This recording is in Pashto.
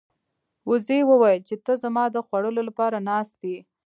وزې وویل چې ته زما د خوړلو لپاره ناست یې.